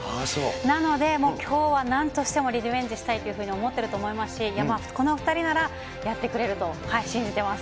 なので、きょうはなんとしてもリベンジしたいというふうに思ってると思いますし、この２人ならやってくれると、信じてます。